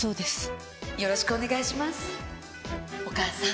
よろしくお願いしますお母さん。